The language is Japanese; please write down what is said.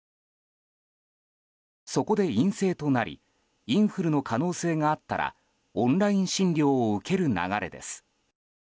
そこで陰性となりインフルの可能性があったらオンライン診療を受ける流れです。